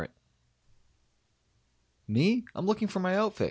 _ Me? I'm looking for my outfit.